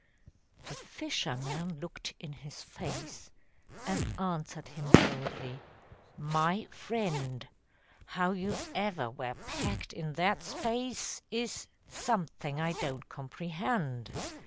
The fisherman looked in his face, And answered him boldly: "My friend, How you ever were packed in that space Is something I don't comprehend.